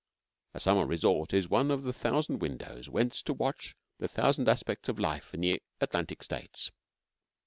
A summer resort is one of the thousand windows whence to watch the thousand aspects of life in the Atlantic States.